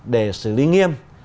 để xử lý nghiêm